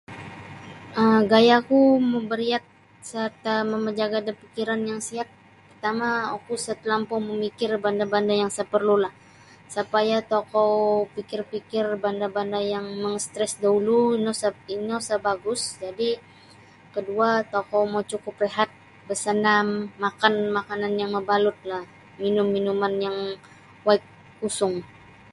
um gaya ku ma bariat serta mamajaga da pemikiran yang sihat pertama oku isa talampau mamikir banda-banda yang isa parlu lah supaya tokou pikir-pikir banda-banda yang mengstress da ulu ino isa ino sa bagus jadi kadua tokou mo cukup rehat besenam makan makanan yang mabalut lah minum minuman yang waig kusung